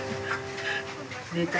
寝た。